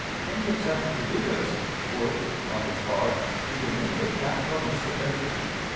Any attempt to do this would, on his part, be a naked act of usurpation.